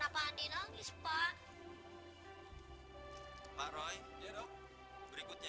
pak roy berikutnya